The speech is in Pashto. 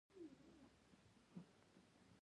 باز هر وخت ښکار ته چمتو وي